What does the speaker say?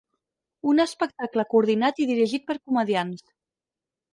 Un espectacle coordinat i dirigit per Comediants.